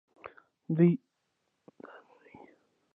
د دوی بانکونه په نړۍ کې باوري دي.